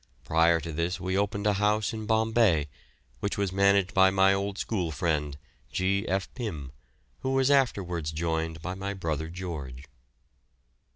Prior to this we opened a house in Bombay, which was managed by my old school friend, G. F. Pim, who was afterwards joined by my brother George.